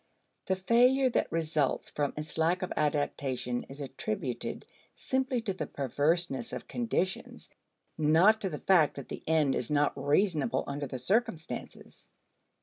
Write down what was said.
The failure that results from its lack of adaptation is attributed simply to the perverseness of conditions, not to the fact that the end is not reasonable under the circumstances.